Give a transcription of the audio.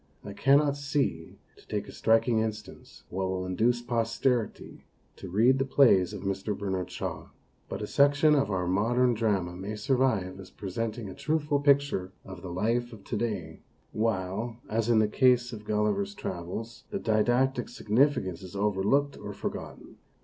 I cannot see, to take a striking instance, what will induce posterity to read the plays of Mr. Bernard Shaw. But a section of our modern drama may survive as presenting a truthful picture of the life of to day, while, as in the case of " Gulliver's Travels," the didactic significance is overlooked or forgotten.